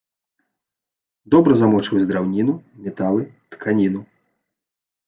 Добра змочваюць драўніну, металы, тканіну.